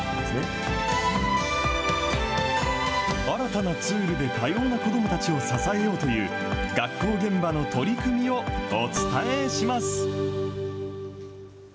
新たなツールで多様な子どもたちを支えようという、学校現場の取り組みをお伝えします。